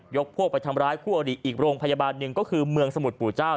พวกไปทำร้ายคู่อริอีกโรงพยาบาลหนึ่งก็คือเมืองสมุทรปู่เจ้า